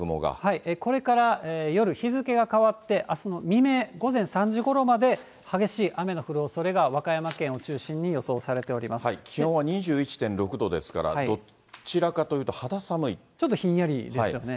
これから夜、日付が変わってあすの未明、午前３時ごろまで雨の降るおそれが、和歌山県を中心に予想されて気温は２１．６度ですから、ちょっとひんやりですよね。